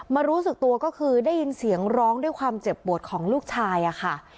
รู้สึกตัวก็คือได้ยินเสียงร้องด้วยความเจ็บปวดของลูกชายค่ะ